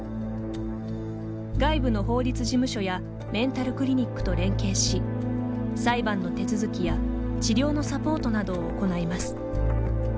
外部の法律事務所やメンタルクリニックと連携し裁判の手続きや治療のサポートなどを行います。